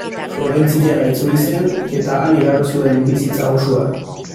Florentziara itzuli zen, eta han igaro zuen bizitza osoa.